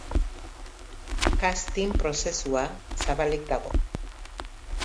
Casting prozesua zabalik dago.